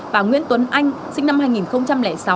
và nguyễn tuấn anh sinh năm hai nghìn sáu